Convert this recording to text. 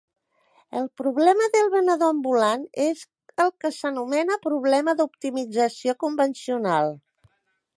El problema del venedor ambulant és el que s'anomena problema d'optimització convencional.